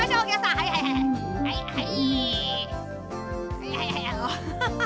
はいはいはいはい。